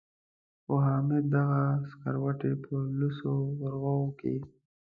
خو حامد دغه سکروټې په لوڅو ورغوو کې.